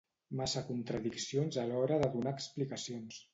Massa contradiccions a l’hora de donar explicacions.